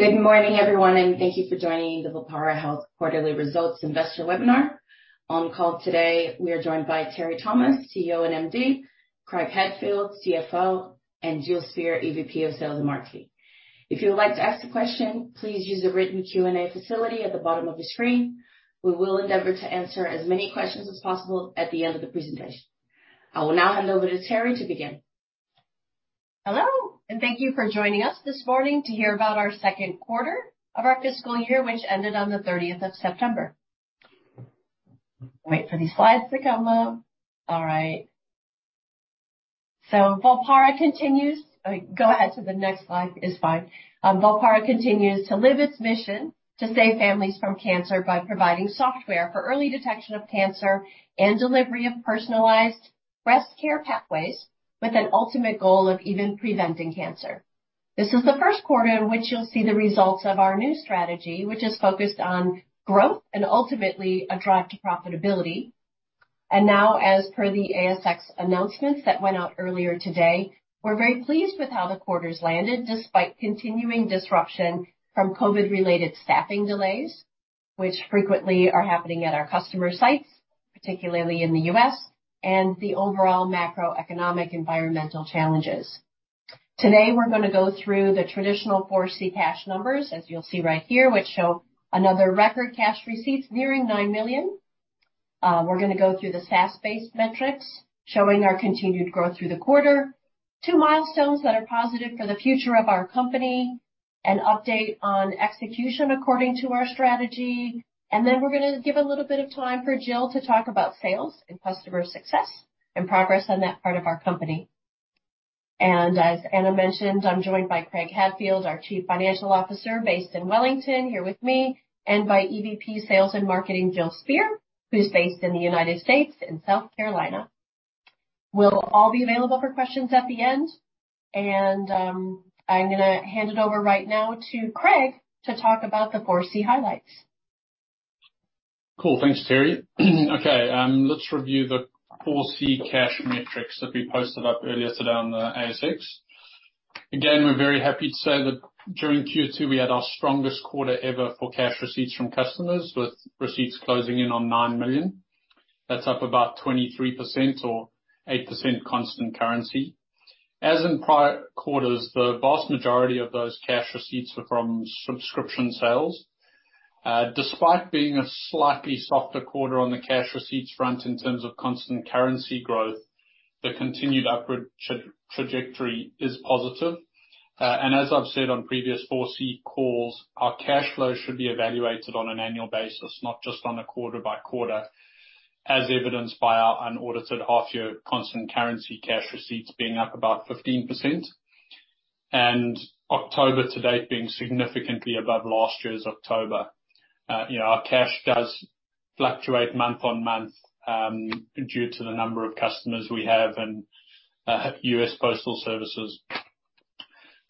Good morning, everyone, and thank you for joining the Volpara Health quarterly results investor webinar. On call today, we are joined by Teri Thomas, CEO and MD, Craig Hadfield, CFO, and Jill Spear, EVP of Sales and Marketing. If you would like to ask a question, please use the written Q&A facility at the bottom of the screen. We will endeavor to answer as many questions as possible at the end of the presentation. I will now hand over to Teri to begin. Hello, and thank you for joining us this morning to hear about our second quarter of our fiscal year, which ended on the 30th of September. Volpara continues to live its mission to save families from cancer by providing software for early detection of cancer and delivery of personalized breast care pathways with an ultimate goal of even preventing cancer. This is the first quarter in which you'll see the results of our new strategy, which is focused on growth and ultimately a drive to profitability. Now, as per the ASX announcements that went out earlier today, we're very pleased with how the quarters landed, despite continuing disruption from COVID-related staffing delays, which frequently are happening at our customer sites, particularly in the U.S., and the overall macroeconomic environmental challenges. Today, we're gonna go through the traditional 4C cash numbers, as you'll see right here, which show another record cash receipts nearing 9 million. We're gonna go through the SaaS-based metrics showing our continued growth through the quarter. Two milestones that are positive for the future of our company. An update on execution according to our strategy. Then we're gonna give a little bit of time for Jill to talk about sales and customer success and progress on that part of our company. As Anna mentioned, I'm joined by Craig Hadfield, our Chief Financial Officer based in Wellington, here with me, and by EVP, Sales and Marketing, Jill Spear, who's based in the United States, in South Carolina. We'll all be available for questions at the end, and I'm gonna hand it over right now to Craig to talk about the 4C highlights. Cool. Thanks, Teri. Okay, let's review the 4C cash metrics that we posted up earlier today on the ASX. Again, we're very happy to say that during Q2, we had our strongest quarter ever for cash receipts from customers, with receipts closing in on 9 million. That's up about 23% or 8% constant currency. As in prior quarters, the vast majority of those cash receipts were from subscription sales. Despite being a slightly softer quarter on the cash receipts front in terms of constant currency growth, the continued upward trajectory is positive. As I've said on previous 4C calls, our cash flow should be evaluated on an annual basis, not just on a quarter-by-quarter, as evidenced by our unaudited half-year constant currency cash receipts being up about 15%, and October to date being significantly above last year's October. You know, our cash does fluctuate month-on-month, due to the number of customers we have and U.S. Postal Services.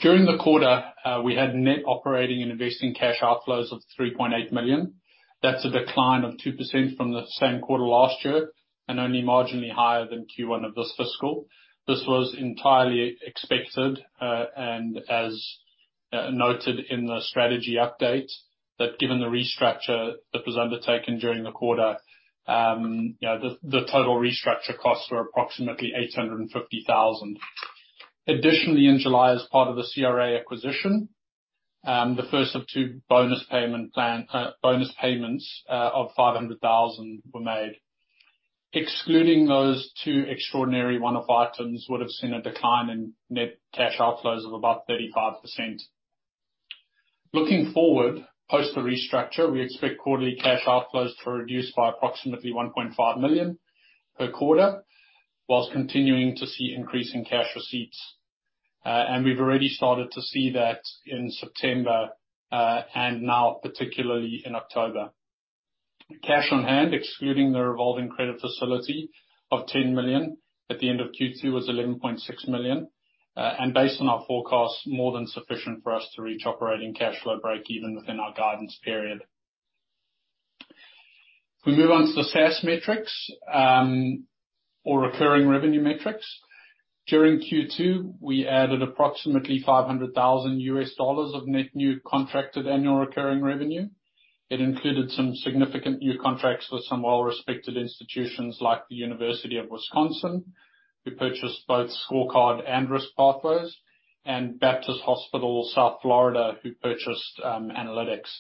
During the quarter, we had net operating and investing cash outflows of 3.8 million. That's a decline of 2% from the same quarter last year, and only marginally higher than Q1 of this fiscal. This was entirely expected, and as noted in the strategy update, that given the restructure that was undertaken during the quarter, you know, the total restructure costs were approximately 850,000. Additionally, in July, as part of the CRA acquisition, the first of two bonus payments of 500,000 were made. Excluding those two extraordinary one-off items would've seen a decline in net cash outflows of about 35%. Looking forward, post the restructure, we expect quarterly cash outflows to reduce by approximately 1.5 million per quarter whilst continuing to see increase in cash receipts. We've already started to see that in September, and now particularly in October. Cash on hand, excluding the revolving credit facility of 10 million at the end of Q2, was 11.6 million. Based on our forecasts, more than sufficient for us to reach operating cash flow breakeven within our guidance period. If we move on to the SaaS metrics, or recurring revenue metrics. During Q2, we added approximately $500,000 of net new contracted annual recurring revenue. It included some significant new contracts with some well-respected institutions like The University of Wisconsin, who purchased both Scorecard and Risk Pathways, and Baptist Health South Florida, who purchased Analytics.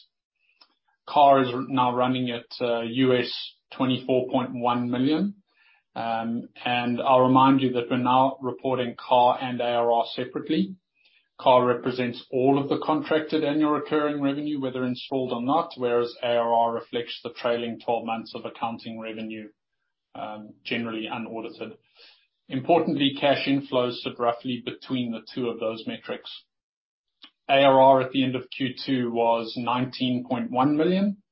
CAR is now running at $24.1 million. I'll remind you that we're now reporting CAR and ARR separately. CAR represents all of the contracted annual recurring revenue, whether installed or not, whereas ARR reflects the trailing 12 months of accounting revenue, generally unaudited. Importantly, cash inflows sit roughly between the two of those metrics. ARR at the end of Q2 was $19.1 million,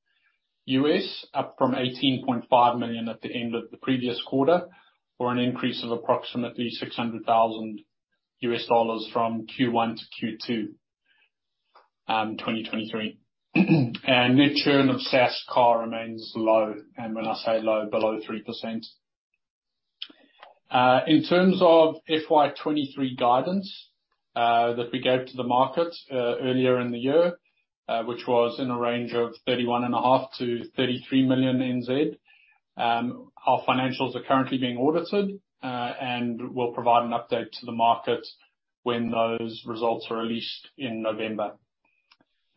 up from $18.5 million at the end of the previous quarter, or an increase of approximately $600,000 from Q1-Q2, 2023. Net churn of SaaS/CAR remains low, and when I say low, below 3%. In terms of FY 2023 guidance that we gave to the market earlier in the year, which was in a range of 31.5 million-33 million. Our financials are currently being audited, and we'll provide an update to the market when those results are released in November.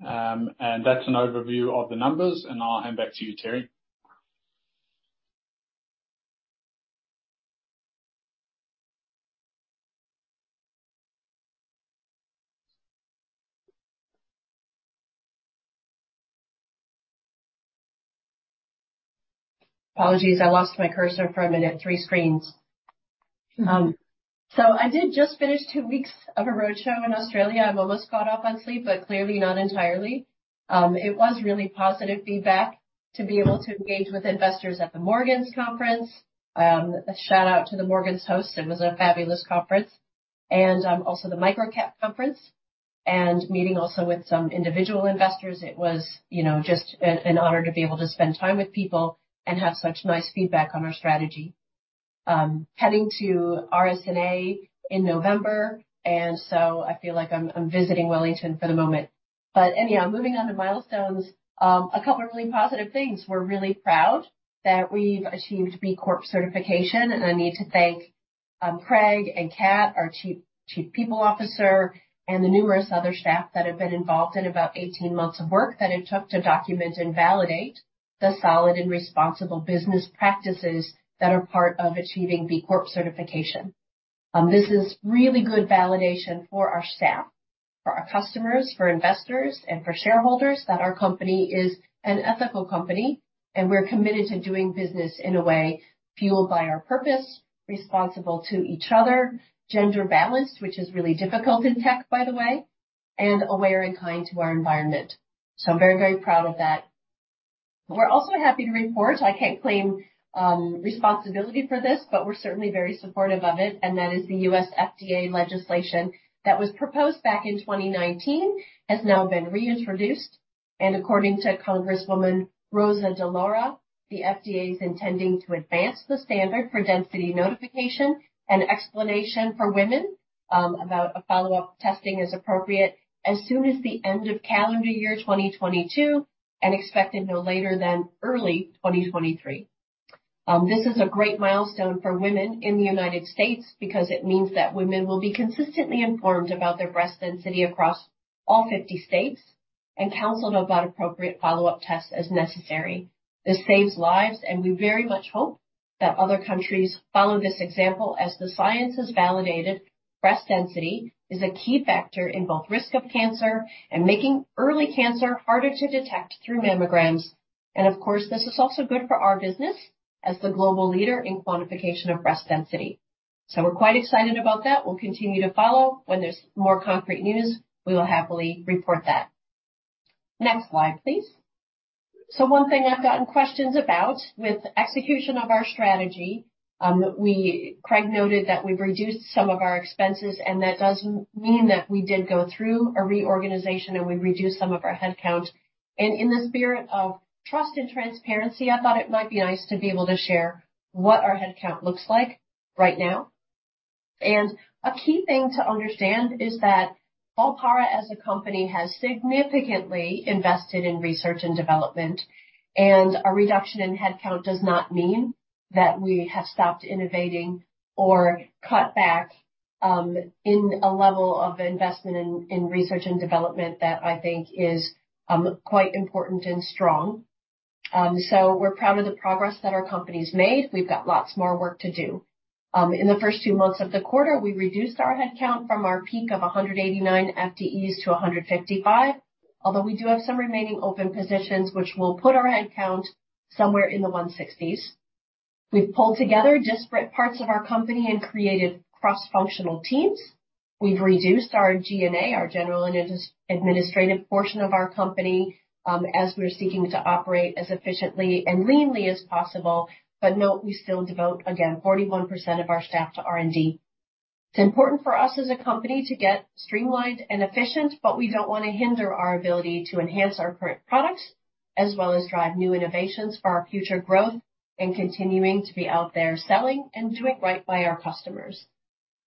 That's an overview of the numbers, and I'll hand back to you, Teri. Apologies, I lost my cursor for a minute. Three screens. I did just finish two weeks of a roadshow in Australia. I'm almost caught up on sleep, but clearly not entirely. It was really positive feedback to be able to engage with investors at the Morgans conference. A shout-out to the Morgans host. It was a fabulous conference. Also the MicroCap conference and meeting also with some individual investors. It was, you know, just an honor to be able to spend time with people and have such nice feedback on our strategy. Heading to RSNA in November, I feel like I'm visiting Wellington for the moment. Anyhow, moving on to milestones. A couple of really positive things. We're really proud that we've achieved B Corp certification, and I need to thank Craig and Kat, our Chief People Officer, and the numerous other staff that have been involved in about 18 months of work that it took to document and validate the solid and responsible business practices that are part of achieving B Corp certification. This is really good validation for our staff, for our customers, for investors, and for shareholders that our company is an ethical company, and we're committed to doing business in a way fueled by our purpose, responsible to each other, gender balanced, which is really difficult in tech, by the way, and aware and kind to our environment. I'm very, very proud of that. We're also happy to report. I can't claim responsibility for this, but we're certainly very supportive of it, and that is the U.S. FDA legislation that was proposed back in 2019, has now been reintroduced. According to Congresswoman Rosa DeLauro, the FDA is intending to advance the standard for density notification and explanation for women about a follow-up testing as appropriate as soon as the end of calendar year 2022 and expected no later than early 2023. This is a great milestone for women in the United States because it means that women will be consistently informed about their breast density across all 50 states and counseled about appropriate follow-up tests as necessary. This saves lives, and we very much hope that other countries follow this example as the science has validated breast density is a key factor in both risk of cancer and making early cancer harder to detect through mammograms. Of course, this is also good for our business as the global leader in quantification of breast density. We're quite excited about that. We'll continue to follow. When there's more concrete news, we will happily report that. Next slide, please. One thing I've gotten questions about with execution of our strategy, Craig noted that we've reduced some of our expenses, and that does mean that we did go through a reorganization and we reduced some of our headcount. In the spirit of trust and transparency, I thought it might be nice to be able to share what our headcount looks like right now. A key thing to understand is that Volpara as a company has significantly invested in research and development, and a reduction in headcount does not mean that we have stopped innovating or cut back in a level of investment in research and development that I think is quite important and strong. We're proud of the progress that our company's made. We've got lots more work to do. In the first two months of the quarter, we reduced our headcount from our peak of 189 FTEs to 155. Although we do have some remaining open positions which will put our headcount somewhere in the 160s. We've pulled together disparate parts of our company and created cross-functional teams. We've reduced our G&A, our general and administrative portion of our company, as we're seeking to operate as efficiently and leanly as possible. Note we still devote, again, 41% of our staff to R&D. It's important for us as a company to get streamlined and efficient, but we don't wanna hinder our ability to enhance our current products as well as drive new innovations for our future growth and continuing to be out there selling and doing right by our customers.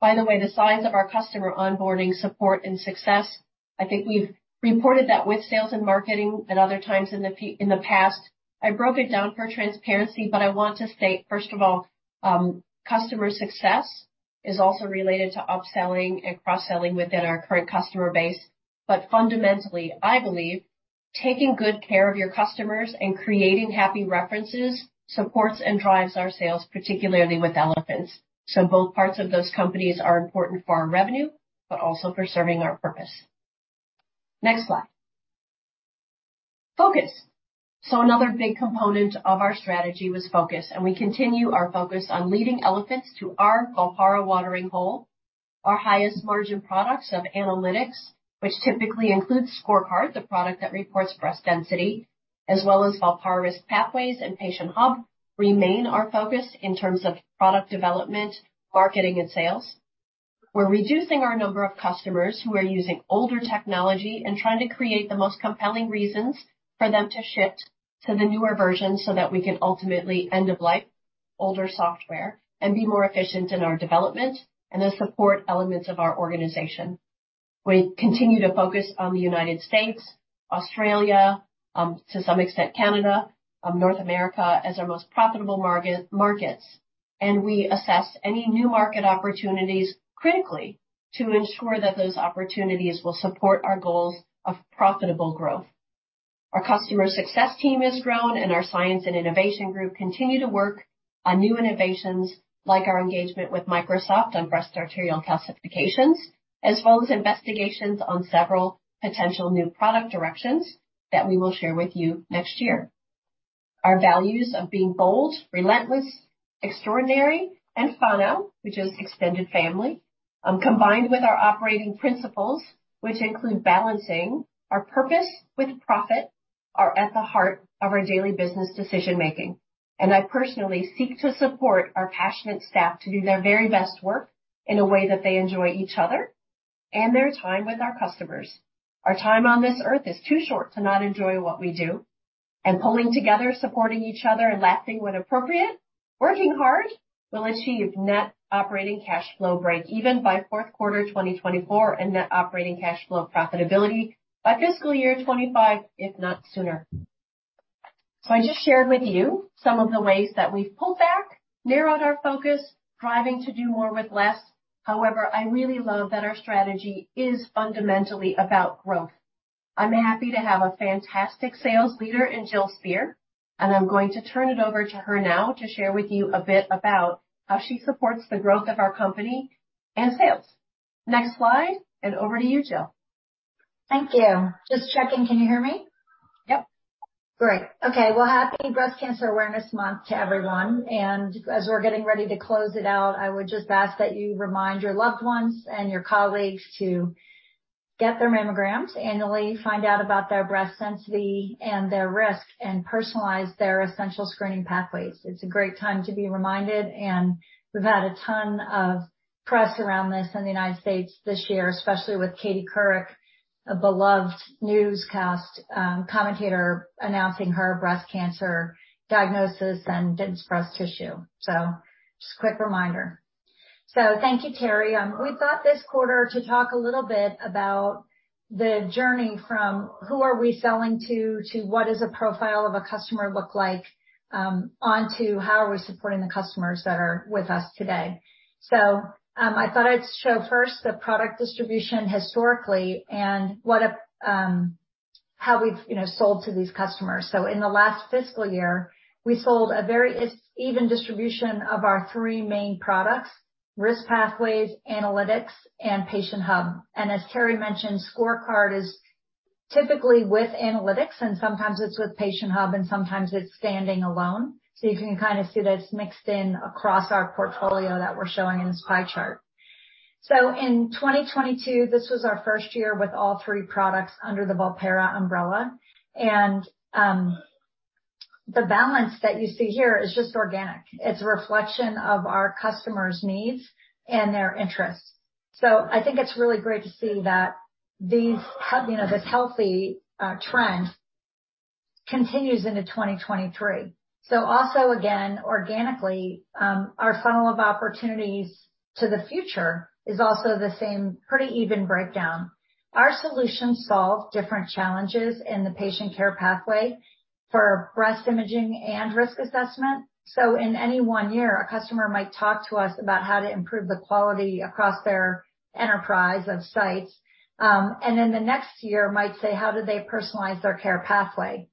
By the way, the size of our customer onboarding support and success, I think we've reported that with sales and marketing at other times in the past. I broke it down for transparency, but I want to state, first of all, customer success is also related to upselling and cross-selling within our current customer base. Fundamentally, I believe taking good care of your customers and creating happy references supports and drives our sales, particularly with Elephants. Both parts of those companies are important for our revenue, but also for serving our purpose. Next slide. Focus. Another big component of our strategy was focus, and we continue our focus on leading Elephants to our Volpara watering hole. Our highest margin products of Analytics, which typically includes Scorecard, the product that reports breast density, as well as Volpara Risk Pathways and Patient Hub, remain our focus in terms of product development, marketing, and sales. We're reducing our number of customers who are using older technology and trying to create the most compelling reasons for them to shift to the newer version so that we can ultimately end of life older software and be more efficient in our development and the support elements of our organization. We continue to focus on the United States, Australia, to some extent Canada, North America as our most profitable markets, and we assess any new market opportunities critically to ensure that those opportunities will support our goals of profitable growth. Our customer success team has grown, and our science and innovation group continue to work on new innovations like our engagement with Microsoft on breast arterial calcifications, as well as investigations on several potential new product directions that we will share with you next year. Our values of being bold, relentless, extraordinary, and whānau, which is extended family, combined with our operating principles, which include balancing our purpose with profit, are at the heart of our daily business decision making. I personally seek to support our passionate staff to do their very best work in a way that they enjoy each other and their time with our customers. Our time on this earth is too short to not enjoy what we do. Pulling together, supporting each other and laughing when appropriate, working hard will achieve net operating cash flow breakeven by fourth quarter 2024, and net operating cash flow profitability by fiscal year 2025, if not sooner. I just shared with you some of the ways that we've pulled back, narrowed our focus, striving to do more with less. However, I really love that our strategy is fundamentally about growth. I'm happy to have a fantastic sales leader in Jill Spear, and I'm going to turn it over to her now to share with you a bit about how she supports the growth of our company and sales. Next slide, and over to you, Jill. Thank you. Just checking. Can you hear me? Yep. Great. Okay. Well, happy Breast Cancer Awareness Month to everyone, and as we're getting ready to close it out, I would just ask that you remind your loved ones and your colleagues to get their mammograms annually, find out about their breast density and their risk, and personalize their essential screening pathways. It's a great time to be reminded, and we've had a ton of press around this in the United States this year, especially with Katie Couric, a beloved newscaster, commentator, announcing her breast cancer diagnosis and dense breast tissue. Just a quick reminder. Thank you, Teri. We thought this quarter to talk a little bit about the journey from who are we selling to what is a profile of a customer look like, on to how are we supporting the customers that are with us today. I thought I'd show first the product distribution historically and how we've, you know, sold to these customers. In the last fiscal year, we sold a very even distribution of our three main products, Risk Pathways, Analytics, and Patient Hub. As Teri mentioned, Scorecard is typically with Analytics, and sometimes it's with Patient Hub, and sometimes it's standing alone. You can kind of see that it's mixed in across our portfolio that we're showing in this pie chart. In 2022, this was our first year with all three products under the Volpara umbrella. The balance that you see here is just organic. It's a reflection of our customers' needs and their interests. I think it's really great to see that these, you know, this healthy trend continues into 2023. Also, again, organically, our funnel of opportunities to the future is also the same pretty even breakdown. Our solutions solve different challenges in the patient care pathway for breast imaging and risk assessment. In any one year, a customer might talk to us about how to improve the quality across their enterprise of sites. The next year might say how to personalize their care pathway.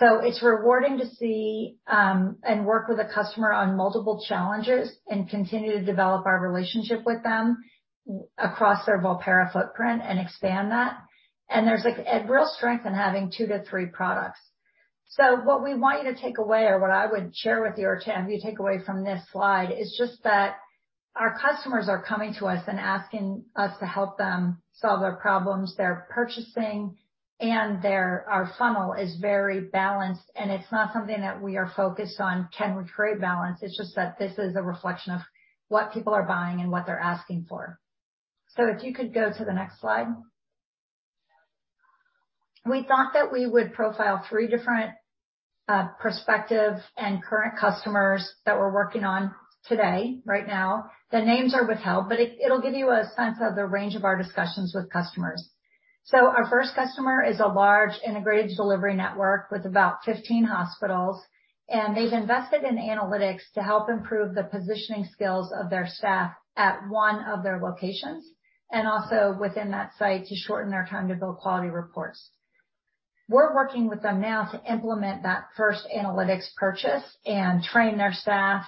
It's rewarding to see, and work with a customer on multiple challenges and continue to develop our relationship with them across their Volpara footprint and expand that. There's like a real strength in having two to three products. What we want you to take away or what I would share with you or to have you take away from this slide is just that our customers are coming to us and asking us to help them solve their problems. They're purchasing and our funnel is very balanced, and it's not something that we are focused on, can we create balance? It's just that this is a reflection of what people are buying and what they're asking for. If you could go to the next slide. We thought that we would profile three different, prospective and current customers that we're working on today, right now. The names are withheld, but it'll give you a sense of the range of our discussions with customers. Our first customer is a large integrated delivery network with about 15 hospitals, and they've invested in Analytics to help improve the positioning skills of their staff at one of their locations, and also within that site to shorten their time to bill quality reports. We're working with them now to implement that first Analytics purchase and train their staff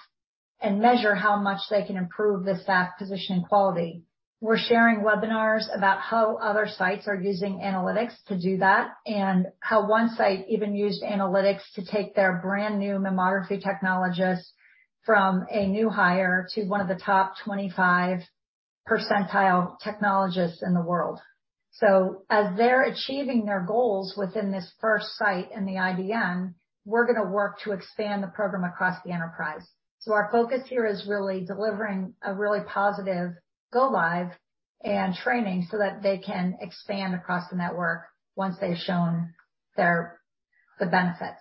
and measure how much they can improve the staff positioning quality. We're sharing webinars about how other sites are using Analytics to do that, and how one site even used Analytics to take their brand new mammography technologist from a new hire to one of the top 25 percentile technologists in the world. As they're achieving their goals within this first site in the IDN, we're gonna work to expand the program across the enterprise. Our focus here is really delivering a really positive go live and training so that they can expand across the network once they've shown their benefits.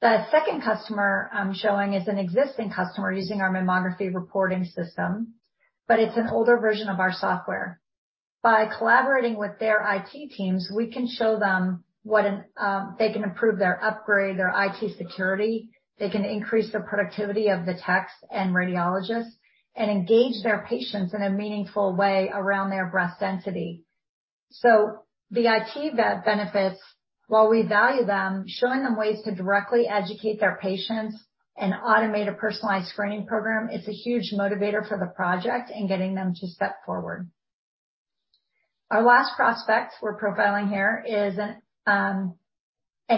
The second customer I'm showing is an existing customer using our mammography reporting system, but it's an older version of our software. By collaborating with their IT teams, we can show them they can improve their upgrade, their IT security, they can increase the productivity of the techs and radiologists, and engage their patients in a meaningful way around their breast density. The IT benefits, while we value them, showing them ways to directly educate their patients and automate a personalized screening program is a huge motivator for the project and getting them to step forward. Our last prospect we're profiling here is an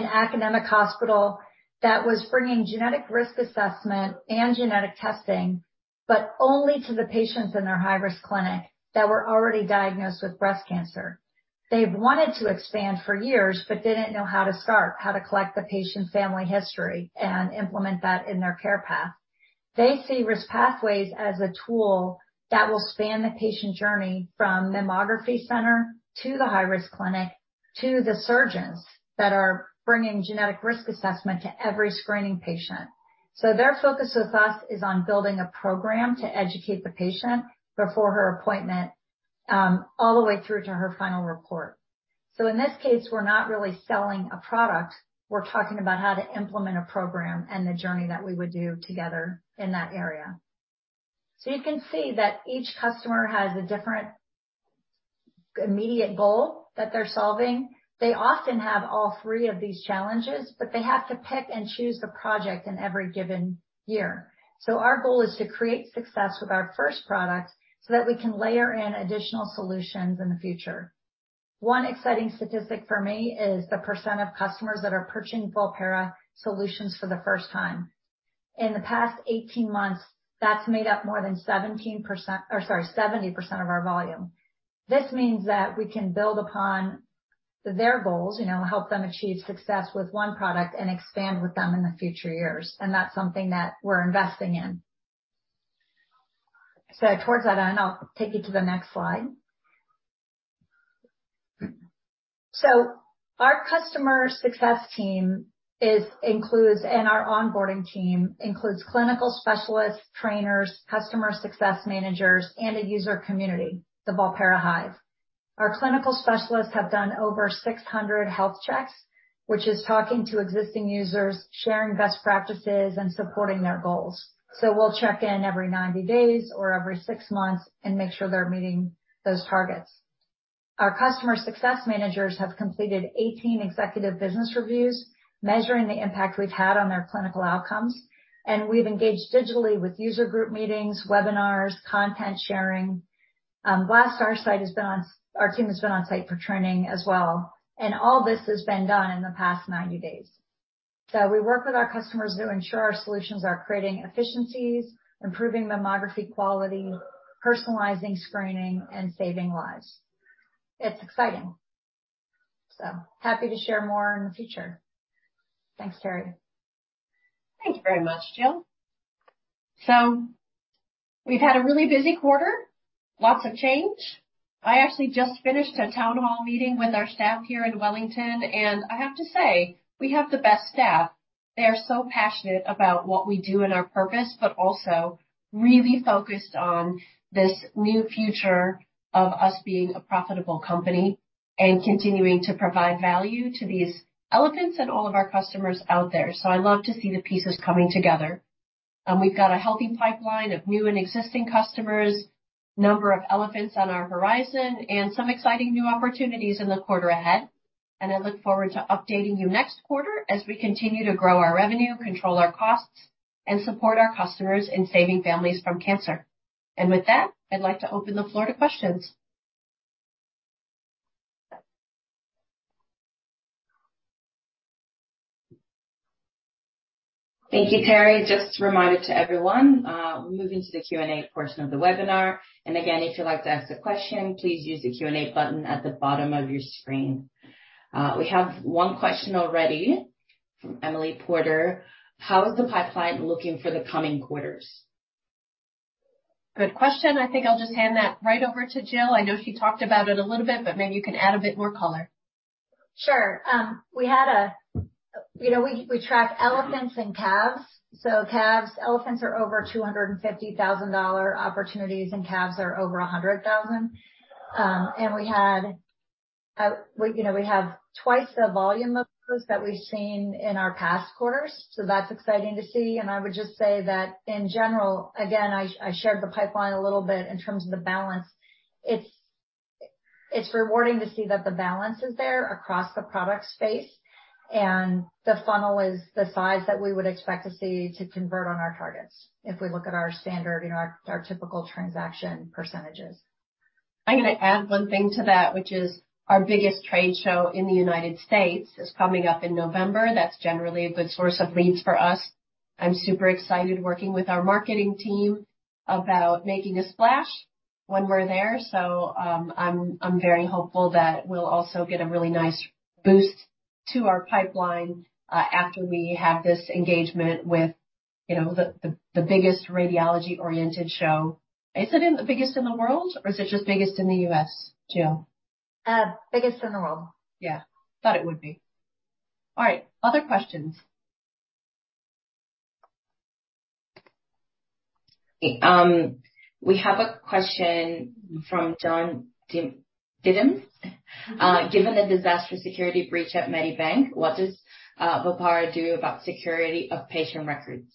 academic hospital that was bringing genetic risk assessment and genetic testing, but only to the patients in their high-risk clinic that were already diagnosed with breast cancer. They've wanted to expand for years, but didn't know how to start, how to collect the patient's family history and implement that in their care path. They see Risk Pathways as a tool that will span the patient journey from mammography center to the high-risk clinic to the surgeons that are bringing genetic risk assessment to every screening patient. Their focus with us is on building a program to educate the patient before her appointment, all the way through to her final report. In this case, we're not really selling a product, we're talking about how to implement a program and the journey that we would do together in that area. You can see that each customer has a different immediate goal that they're solving. They often have all three of these challenges, but they have to pick and choose the project in every given year. Our goal is to create success with our first product so that we can layer in additional solutions in the future. One exciting statistic for me is the percent of customers that are purchasing Volpara solutions for the first time. In the past 18 months, that's made up more than 17%. Or sorry, 70% of our volume. This means that we can build upon their goals, you know, help them achieve success with one product and expand with them in the future years. That's something that we're investing in. Towards that end, I'll take you to the next slide. Our customer success team includes, and our onboarding team, includes clinical specialists, trainers, customer success managers, and a user community, the Volpara Hive. Our clinical specialists have done over 600 health checks, which is talking to existing users, sharing best practices and supporting their goals. We'll check in every 90 days or every six months and make sure they're meeting those targets. Our customer success managers have completed 18 executive business reviews measuring the impact we've had on their clinical outcomes. We've engaged digitally with user group meetings, webinars, content sharing. Our team has been on site for training as well. All this has been done in the past 90 days. We work with our customers to ensure our solutions are creating efficiencies, improving mammography quality, personalizing screening and saving lives. It's exciting. Happy to share more in the future. Thanks, Teri. Thanks very much, Jill. We've had a really busy quarter. Lots of change. I actually just finished a town hall meeting with our staff here in Wellington, and I have to say, we have the best staff. They are so passionate about what we do and our purpose, but also really focused on this new future of us being a profitable company and continuing to provide value to these elephants and all of our customers out there. I love to see the pieces coming together. We've got a healthy pipeline of new and existing customers, number of elephants on our horizon and some exciting new opportunities in the quarter ahead. I look forward to updating you next quarter as we continue to grow our revenue, control our costs, and support our customers in saving families from cancer. With that, I'd like to open the floor to questions. Thank you, Teri. Just a reminder to everyone, we're moving to the Q&A portion of the webinar. Again, if you'd like to ask a question, please use the Q&A button at the bottom of your screen. We have one question already from Emily Porter. How is the pipeline looking for the coming quarters? Good question. I think I'll just hand that right over to Jill. I know she talked about it a little bit, but maybe you can add a bit more color. Sure. You know, we track elephants and calves. Elephants are over 250,000 dollar opportunities and calves are over 100,000. You know, we have twice the volume of those that we've seen in our past quarters, so that's exciting to see. I would just say that in general, again, I shared the pipeline a little bit in terms of the balance. It's rewarding to see that the balance is there across the product space and the funnel is the size that we would expect to see to convert on our targets if we look at our standard, you know, our typical transaction percentages. I'm gonna add one thing to that, which is our biggest trade show in the United States is coming up in November. That's generally a good source of leads for us. I'm super excited working with our marketing team about making a splash when we're there. I'm very hopeful that we'll also get a really nice boost to our pipeline after we have this engagement with, you know, the biggest radiology-oriented show. Is it the biggest in the world, or is it just the biggest in the U.S., Jill? Biggest in the world. Yeah. Thought it would be. All right, other questions. We have a question from John Dimas. Given the disastrous security breach at Medibank, what does Volpara do about security of patient records?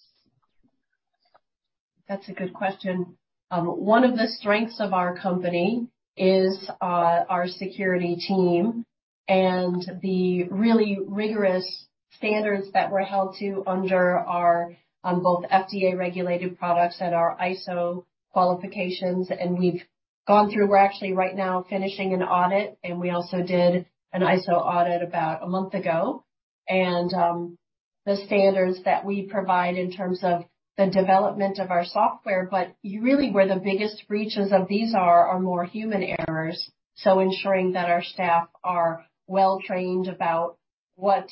That's a good question. One of the strengths of our company is our security team and the really rigorous standards that we're held to under our both FDA-regulated products and our ISO qualifications. We're actually right now finishing an audit, and we also did an ISO audit about a month ago. The standards that we provide in terms of the development of our software, but you really, where the biggest breaches of these are more human errors, so ensuring that our staff are well trained about what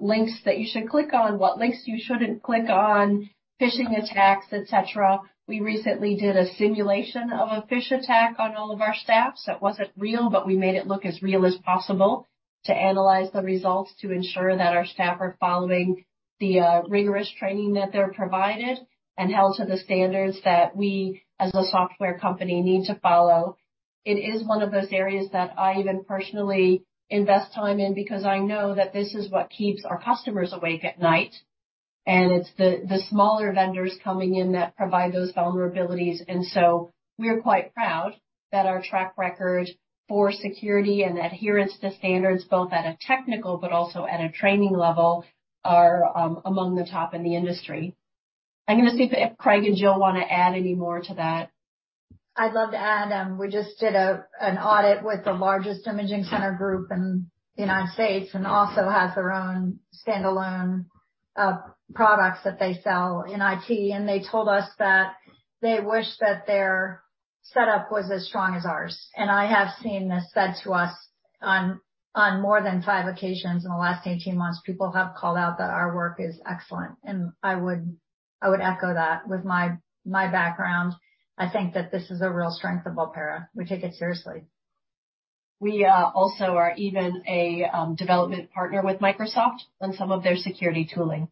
links that you should click on, what links you shouldn't click on, phishing attacks, etc. We recently did a simulation of a phishing attack on all of our staff. It wasn't real, but we made it look as real as possible to analyze the results to ensure that our staff are following the rigorous training that they're provided and held to the standards that we as a software company need to follow. It is one of those areas that I even personally invest time in because I know that this is what keeps our customers awake at night, and it's the smaller vendors coming in that provide those vulnerabilities. We're quite proud that our track record for security and adherence to standards, both at a technical but also at a training level, are among the top in the industry. I'm gonna see if Craig and Jill wanna add any more to that. I'd love to add. We just did an audit with the largest imaging center group in the United States, and also has their own standalone products that they sell in IT. They told us that they wish that their setup was as strong as ours. I have seen this said to us on more than five occasions in the last 18 months. People have called out that our work is excellent. I would echo that. With my background, I think that this is a real strength of Volpara. We take it seriously. We also are even a development partner with Microsoft on some of their security tooling.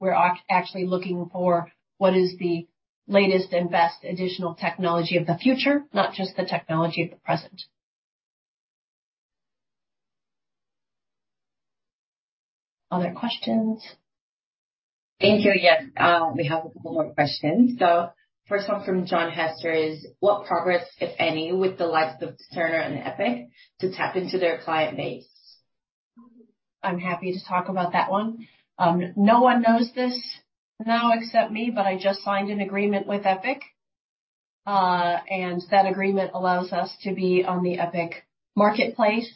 We're actually looking for what is the latest and best additional technology of the future, not just the technology of the present. Other questions? Thank you. Yes. We have a couple more questions. First one from John Hester is what progress, if any, with the likes of Cerner and Epic to tap into their client base? I'm happy to talk about that one. No one knows this now except me, but I just signed an agreement with Epic. That agreement allows us to be on the Epic marketplace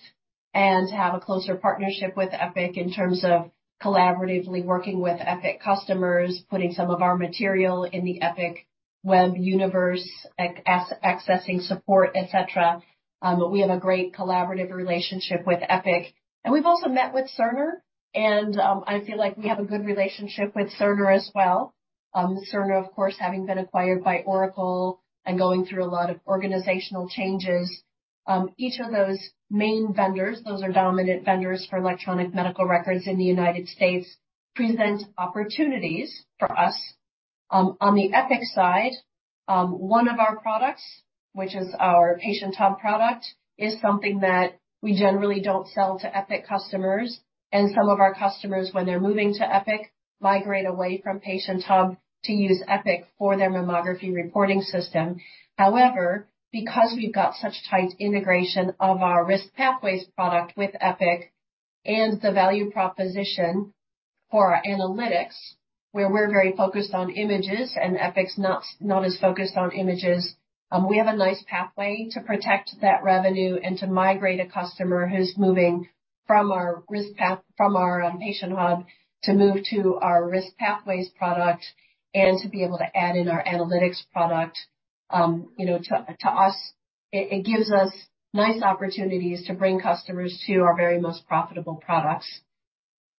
and to have a closer partnership with Epic in terms of collaboratively working with Epic customers, putting some of our material in the Epic web universe, accessing support, etc. We have a great collaborative relationship with Epic, and we've also met with Cerner and I feel like we have a good relationship with Cerner as well. Cerner of course having been acquired by Oracle and going through a lot of organizational changes. Each of those main vendors, those are dominant vendors for electronic medical records in the United States, present opportunities for us. On the Epic side, one of our products, which is our Patient Hub product, is something that we generally don't sell to Epic customers, and some of our customers when they're moving to Epic migrate away from Patient Hub to use Epic for their mammography reporting system. However, because we've got such tight integration of our Risk Pathways product with Epic and the value proposition for our Analytics, where we're very focused on images and Epic's not as focused on images, we have a nice pathway to protect that revenue and to migrate a customer who's moving from our Patient Hub to move to our Risk Pathways product and to be able to add in our Analytics product. You know, to us, it gives us nice opportunities to bring customers to our very most profitable products.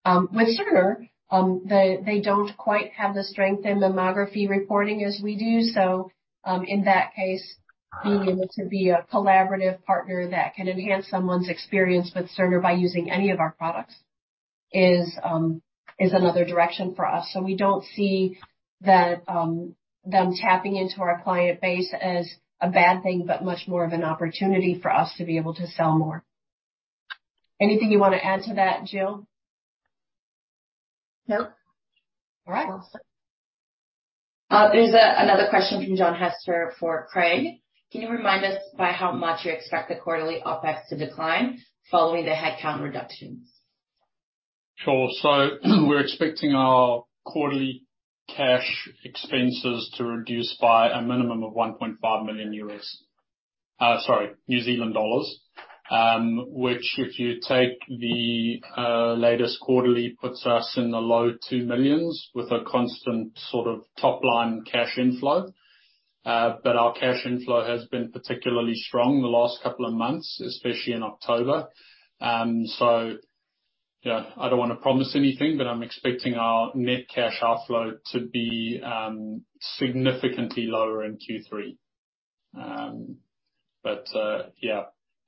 With Cerner, they don't quite have the strength in mammography reporting as we do. In that case, being able to be a collaborative partner that can enhance someone's experience with Cerner by using any of our products is another direction for us. We don't see that, them tapping into our client base as a bad thing, but much more of an opportunity for us to be able to sell more. Anything you wanna add to that, Jill? Nope. All right. Awesome. There's another question from John Hester for Craig. Can you remind us by how much you expect the quarterly OpEx to decline following the headcount reductions? Sure. We're expecting our quarterly cash expenses to reduce by a minimum of NZD 1.5 million, which if you take the latest quarterly, puts us in the low 2 millions with a constant sort of top-line cash inflow. Our cash inflow has been particularly strong the last couple of months, especially in October. I don't wanna promise anything, but I'm expecting our net cash outflow to be significantly lower in Q3.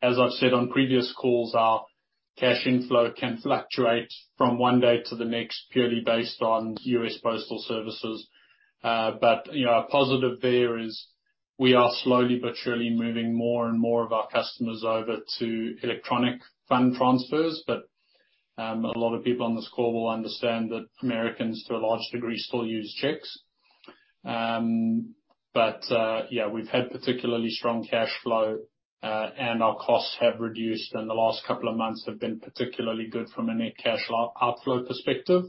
As I've said on previous calls, our cash inflow can fluctuate from one day to the next, purely based on U.S. Postal Service. You know, our positive there is we are slowly but surely moving more and more of our customers over to electronic fund transfers. A lot of people on this call will understand that Americans, to a large degree, still use checks. We've had particularly strong cash flow, and our costs have reduced, and the last couple of months have been particularly good from a net cash outflow perspective.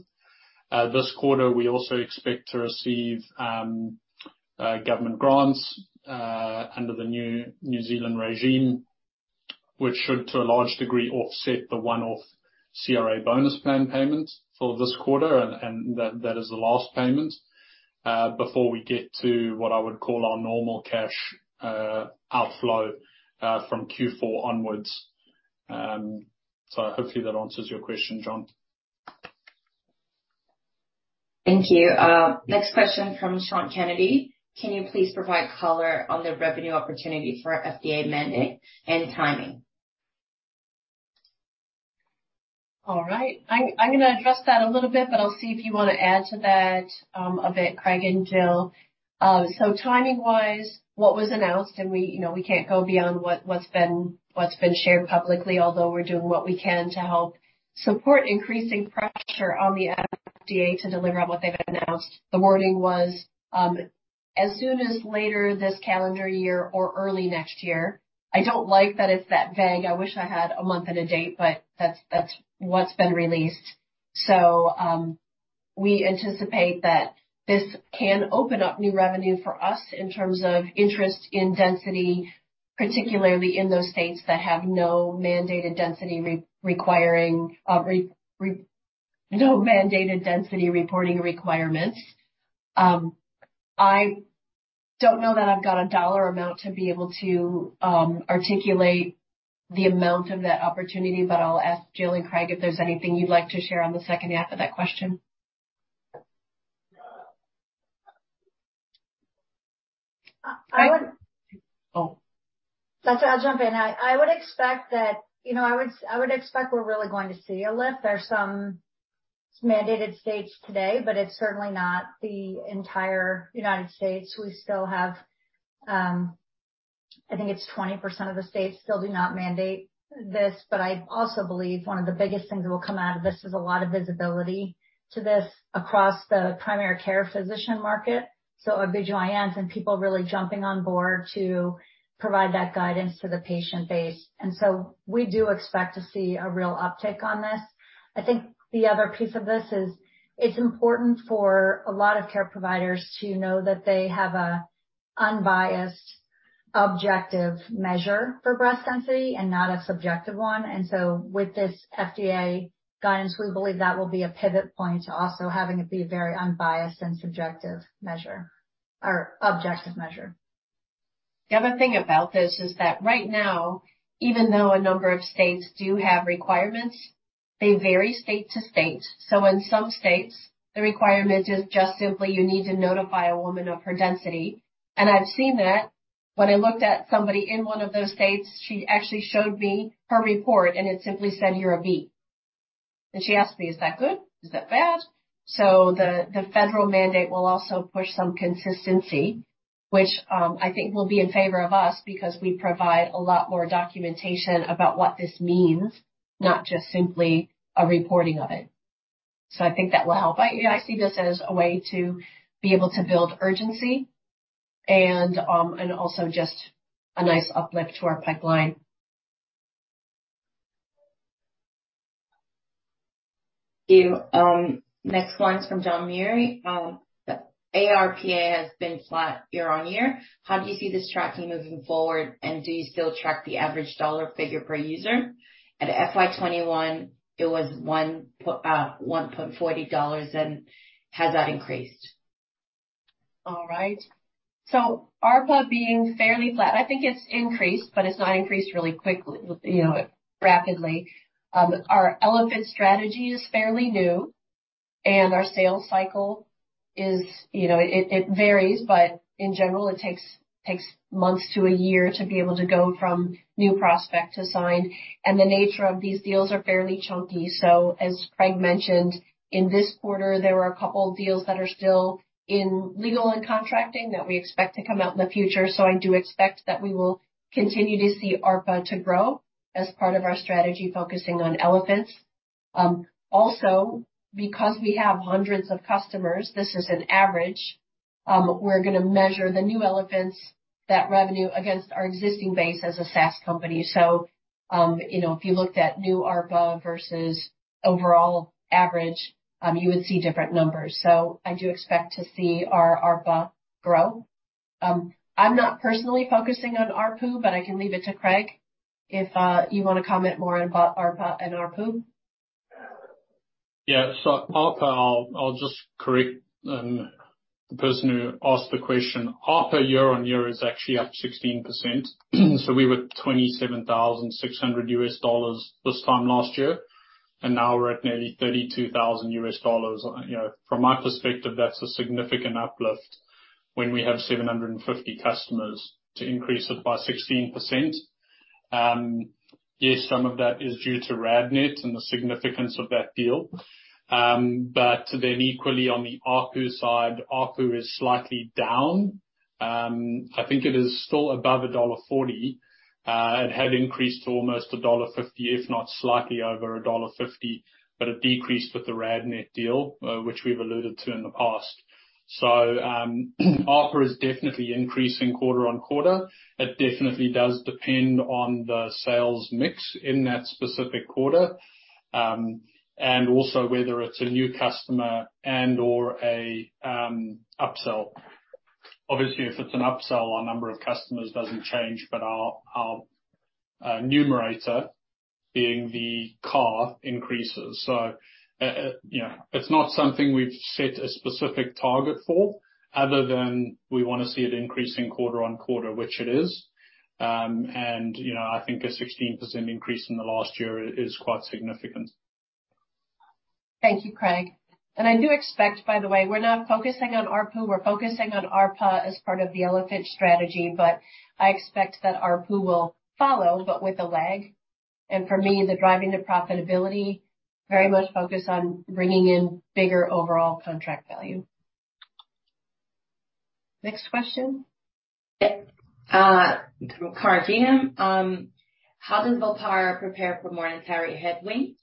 This quarter we also expect to receive government grants under the new New Zealand regime, which should, to a large degree, offset the one-off CRA bonus plan payment for this quarter. That is the last payment before we get to what I would call our normal cash outflow from Q4 onwards. Hopefully that answers your question, John. Thank you. Next question from Sean Kennedy. Can you please provide color on the revenue opportunity for FDA mandate and timing? All right. I'm gonna address that a little bit, but I'll see if you wanna add to that, a bit, Craig and Jill. Timing-wise, what was announced, and we, you know, we can't go beyond what's been shared publicly, although we're doing what we can to help support increasing pressure on the FDA to deliver on what they've announced. The wording was, as soon as later this calendar year or early next year. I don't like that it's that vague. I wish I had a month and a date, but that's what's been released. We anticipate that this can open up new revenue for us in terms of interest in density, particularly in those states that have no mandated density reporting requirements. I don't know that I've got a dollar amount to be able to articulate the amount of that opportunity, but I'll ask Jill and Craig if there's anything you'd like to share on the second half of that question. I would. Oh. That's okay. I'll jump in. I would expect that, you know, I would expect we're really going to see a lift. There's some mandated states today, but it's certainly not the entire United States. We still have, I think it's 20% of the states still do not mandate this. I also believe one of the biggest things that will come out of this is a lot of visibility to this across the primary care physician market. Big giants and people really jumping on board to provide that guidance to the patient base. We do expect to see a real uptick on this. I think the other piece of this is it's important for a lot of care providers to know that they have a unbiased, objective measure for breast density and not a subjective one. With this FDA guidance, we believe that will be a pivot point to also having it be a very unbiased and subjective measure, or objective measure. The other thing about this is that right now, even though a number of states do have requirements, they vary state to state. In some states, the requirement is just simply you need to notify a woman of her density. I've seen that. When I looked at somebody in one of those states, she actually showed me her report, and it simply said, you're a B. She asked me, is that good? Is that bad? The federal mandate will also push some consistency, which, I think will be in favor of us because we provide a lot more documentation about what this means, not just simply a reporting of it. I think that will help. I, you know, I see this as a way to be able to build urgency and also just a nice uplift to our pipeline. Thank you. Next one's from John Murray. The ARPA has been flat year-over-year. How do you see this tracking moving forward, and do you still track the average dollar figure per user? At FY2021 it was $1.40, and has that increased? All right. ARPA being fairly flat. I think it's increased, but it's not increased really quickly, you know, rapidly. Our elephant strategy is fairly new and our sales cycle is, you know, it varies, but in general it takes months to a year to be able to go from new prospect to sign. The nature of these deals are fairly chunky. As Craig mentioned, in this quarter, there were a couple deals that are still in legal and contracting that we expect to come out in the future. I do expect that we will continue to see ARPA to grow as part of our strategy, focusing on elephants. Also because we have hundreds of customers, this is an average, we're gonna measure the new elephants, that revenue against our existing base as a SaaS company. You know, if you looked at new ARPA versus overall average, you would see different numbers. I do expect to see our ARPA grow. I'm not personally focusing on ARPU, but I can leave it to Craig if you wanna comment more on ARPA and ARPU. Yeah. ARPA, I'll just correct the person who asked the question. ARPA year-on-year is actually up 16%. We were $27,600 this time last year, and now we're at nearly $32,000. You know, from my perspective, that's a significant uplift when we have 750 customers to increase it by 16%. Yes, some of that is due to RadNet and the significance of that deal. But then equally on the ARPU side, ARPU is slightly down. I think it is still above $1.40. It had increased to almost $1.50, if not slightly over $1.50, but it decreased with the RadNet deal, which we've alluded to in the past. ARPA is definitely increasing quarter-on-quarter. It definitely does depend on the sales mix in that specific quarter, and also whether it's a new customer and/or a upsell. Obviously, if it's an upsell, our number of customers doesn't change, but our numerator being the ARR increases. You know, it's not something we've set a specific target for other than we wanna see it increasing quarter-on-quarter, which it is. You know, I think a 16% increase in the last year is quite significant. Thank you, Craig. I do expect, by the way, we're not focusing on ARPU. We're focusing on ARPA as part of the Elephant strategy, but I expect that ARPU will follow, but with a lag. For me, the driving to profitability very much focused on bringing in bigger overall contract value. Next question. From Cardium. How does Volpara prepare for monetary headwinds,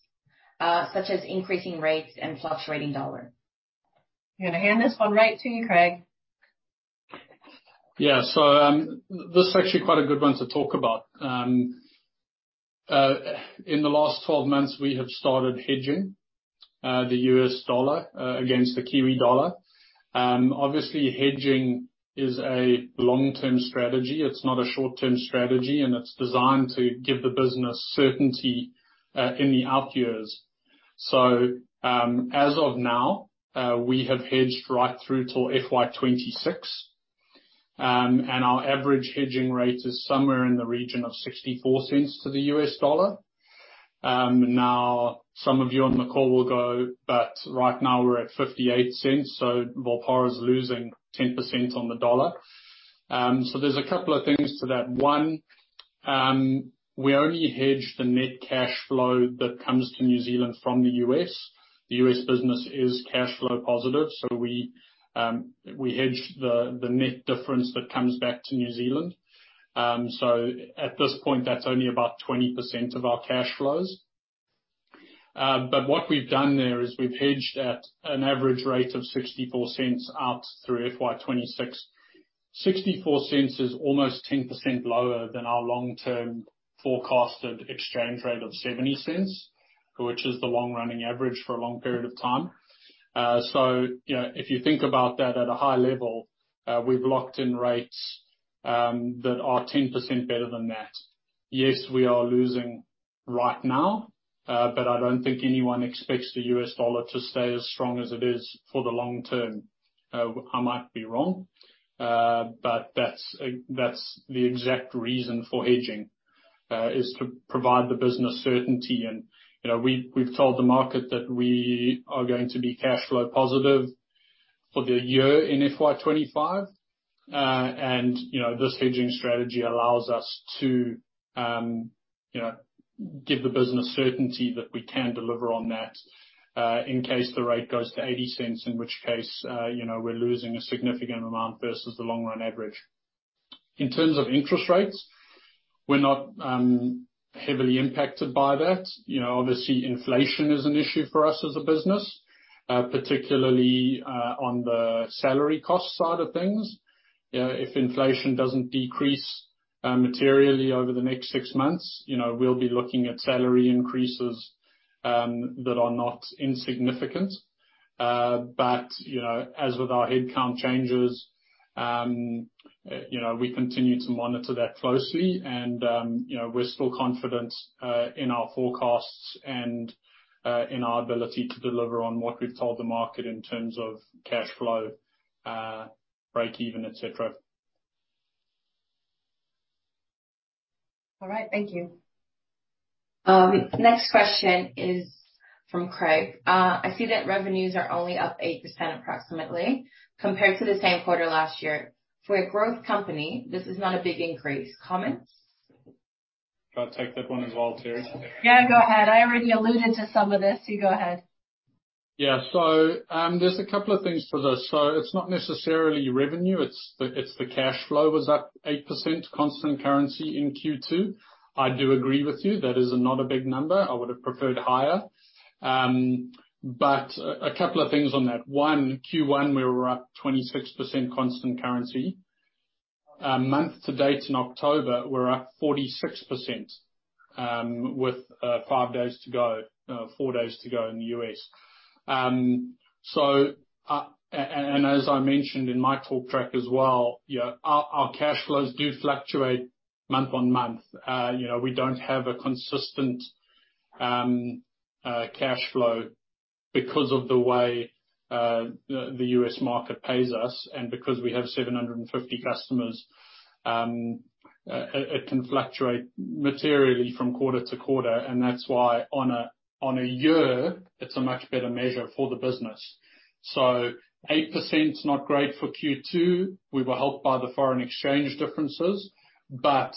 such as increasing rates and fluctuating dollar? I'm gonna hand this one right to you, Craig. Yeah. This is actually quite a good one to talk about. In the last 12 months, we have started hedging the U.S. dollar against the Kiwi dollar. Obviously, hedging is a long-term strategy. It's not a short-term strategy, and it's designed to give the business certainty in the out years. As of now, we have hedged right through till FY2026. Our average hedging rate is somewhere in the region of 0.64 to the U.S. dollar. Now, some of you on the call will go, but right now we're at 0.58, so Volpara is losing 10% on the dollar. There's a couple of things to that. One, we only hedge the net cash flow that comes to New Zealand from the U.S. The U.S. business is cash flow positive, so we hedge the net difference that comes back to New Zealand. At this point, that's only about 20% of our cash flows. What we've done there is we've hedged at an average rate of 0.64 out through FY2026. 0.64 is almost 10% lower than our long-term forecasted exchange rate of 0.70, which is the long-running average for a long period of time. You know, if you think about that at a high level, we've locked in rates that are 10% better than that. Yes, we are losing right now, but I don't think anyone expects the U.S. dollar to stay as strong as it is for the long term. I might be wrong, but that's the exact reason for hedging is to provide the business certainty. You know, we've told the market that we are going to be cash flow positive for the year in FY2025. You know, this hedging strategy allows us to give the business certainty that we can deliver on that in case the rate goes to 80 cents, in which case, you know, we're losing a significant amount versus the long run average. In terms of interest rates, we're not heavily impacted by that. You know, obviously, inflation is an issue for us as a business, particularly on the salary cost side of things. If inflation doesn't decrease materially over the next six months, you know, we'll be looking at salary increases that are not insignificant. You know, as with our headcount changes, you know, we continue to monitor that closely and, you know, we're still confident in our forecasts and in our ability to deliver on what we've told the market in terms of cash flow, break even, etc. All right. Thank you. Next question is from Craig. I see that revenues are only up 8%, approximately, compared to the same quarter last year. For a growth company, this is not a big increase. Comments? Do I take that one as well, Teri? Yeah, go ahead. I already alluded to some of this. You go ahead. Yeah. There's a couple of things to this. It's not necessarily revenue, it's the cash flow was up 8% constant currency in Q2. I do agree with you. That is not a big number. I would have preferred higher. A couple of things on that. One, Q1, we were up 26% constant currency. Month to date in October, we're up 46%, with five days to go, four days to go in the U.S. As I mentioned in my talk track as well, you know, our cash flows do fluctuate month-on-month. You know, we don't have a consistent cash flow because of the way the U.S. market pays us and because we have 750 customers. It can fluctuate materially from quarter to quarter, and that's why on a year, it's a much better measure for the business. 8%'s not great for Q2. We were helped by the foreign exchange differences, but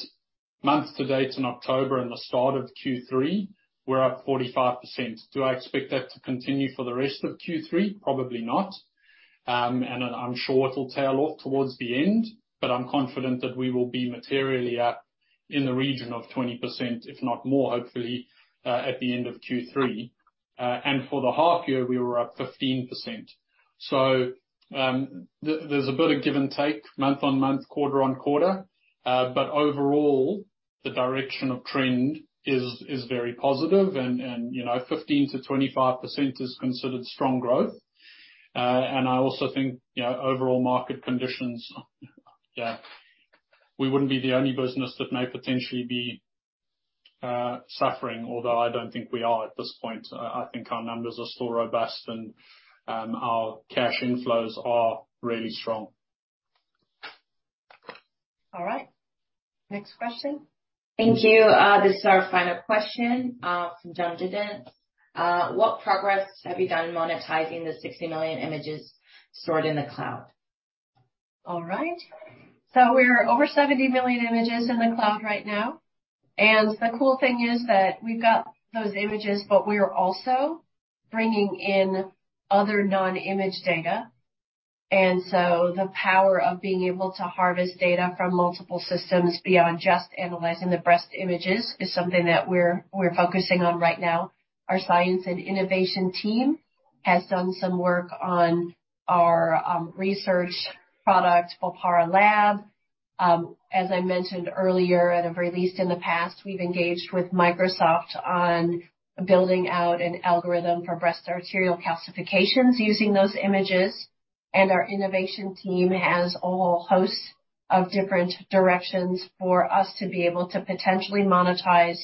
month to date in October and the start of Q3, we're up 45%. Do I expect that to continue for the rest of Q3? Probably not. I'm sure it'll tail off towards the end, but I'm confident that we will be materially up in the region of 20%, if not more, hopefully, at the end of Q3. For the half year, we were up 15%. There's a bit of give and take month-on-month, quarter-on-quarter. Overall, the direction of trend is very positive and, you know, 15%-25% is considered strong growth. I also think, you know, overall market conditions, yeah, we wouldn't be the only business that may potentially be suffering, although I don't think we are at this point. I think our numbers are still robust and our cash inflows are really strong. All right. Next question. Thank you. This is our final question from John Pavlidis. What progress have you done in monetizing the 60 million images stored in the cloud? All right. We're over 70 million images in the cloud right now. The cool thing is that we've got those images, but we are also bringing in other non-image data. The power of being able to harvest data from multiple systems beyond just analyzing the breast images is something that we're focusing on right now. Our science and innovation team has done some work on our research product, Volpara Lab. As I mentioned earlier, and have released in the past, we've engaged with Microsoft on building out an algorithm for breast arterial calcifications using those images. Our innovation team has a whole host of different directions for us to be able to potentially monetize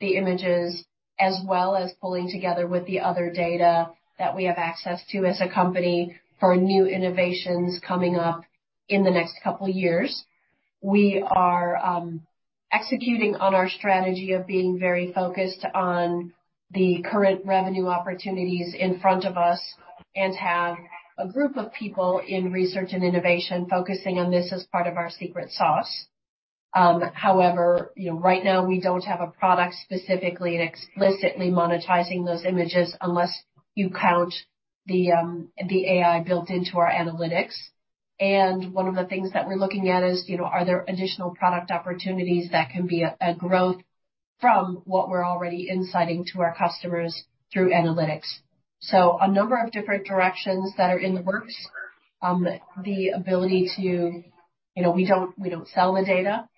the images, as well as pulling together with the other data that we have access to as a company for new innovations coming up in the next couple of years. We are executing on our strategy of being very focused on the current revenue opportunities in front of us and have a group of people in research and innovation focusing on this as part of our secret sauce. However, you know, right now we don't have a product specifically and explicitly monetizing those images unless you count the AI built into our analytics. One of the things that we're looking at is, you know, are there additional product opportunities that can be a growth from what we're already insighting to our customers through analytics. A number of different directions that are in the works. The ability to you know, we don't sell the data,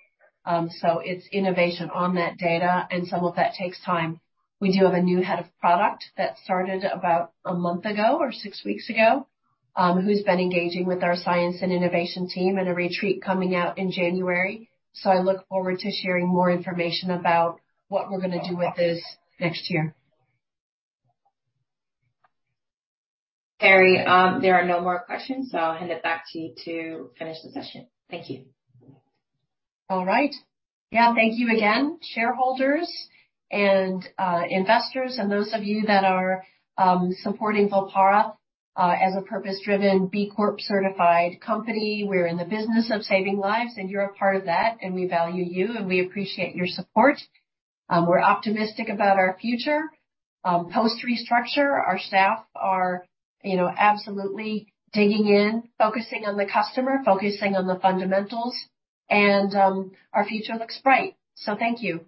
so it's innovation on that data, and some of that takes time. We do have a new head of product that started about a month ago or six weeks ago, who's been engaging with our science and innovation team in a retreat coming out in January. I look forward to sharing more information about what we're gonna do with this next year. Teri, there are no more questions, so I'll hand it back to you to finish the session. Thank you. All right. Yeah. Thank you again, shareholders and investors and those of you that are supporting Volpara as a purpose-driven B Corp certified company. We're in the business of saving lives, and you're a part of that, and we value you, and we appreciate your support. We're optimistic about our future. Post-restructure, our staff are, you know, absolutely digging in, focusing on the customer, focusing on the fundamentals, and our future looks bright. Thank you.